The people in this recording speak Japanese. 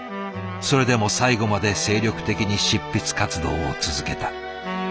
それでも最後まで精力的に執筆活動を続けた。